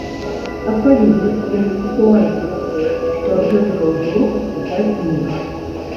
Адпаведна, яны спасылаюцца на тое, што ад гэтага ўзору адступаць нельга.